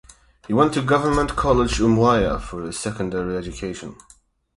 He went to Government College Umuahia for his secondary education.